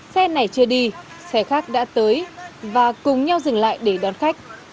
xe này chưa đi xe khác đã tới và cùng nhau dừng lại để đón khách